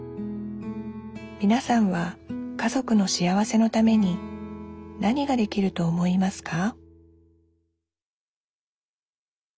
みなさんは家族の幸せのために何ができると思いますか？